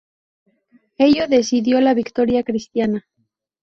Ello decidió la victoria cristiana.